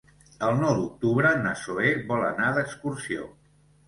El nou d'octubre na Zoè vol anar d'excursió.